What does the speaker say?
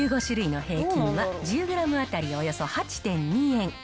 １５種類の平均は、１０グラム当たりおよそ８．２円。